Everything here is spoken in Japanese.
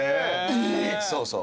そうそう。